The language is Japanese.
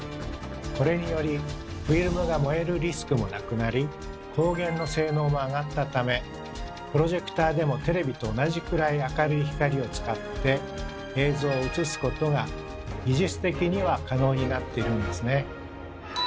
これによりフィルムが燃えるリスクもなくなり光源の性能も上がったためプロジェクターでもテレビと同じくらい明るい光を使って映像を映すことが技術的には可能になっているんですね。